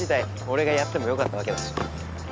俺がやってもよかったわけだし。